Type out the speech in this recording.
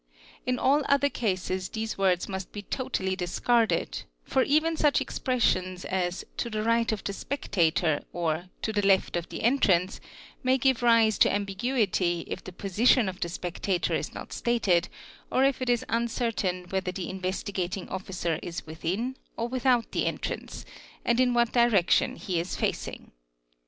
In all other cases these " words must be totally discarded, for even such expressions as "to the — right of the spectator" or "to the left of the entrance" may give rise to ambiguity if the position of the spectator is not stated or if it is uncertain whether the Investigating Officer is within or without the entrance, and in what direction he is facing.